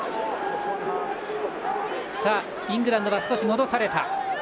イングランドが戻された。